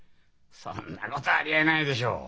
そんなことありえないでしょう。